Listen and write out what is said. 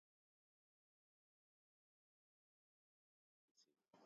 Canada's mineral resources are diverse and extensive.